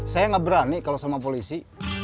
saya nggak berani kalau sama polisi